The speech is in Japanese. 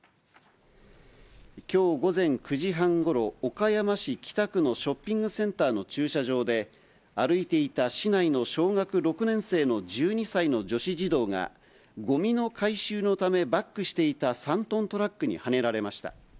きょう午前９時半ごろ、岡山市北区のショッピングセンターの駐車場で、歩いていた市内の小学６年生の１２歳の女子児童が、ごみの回収のためバックしていた３トントラックにはねられました。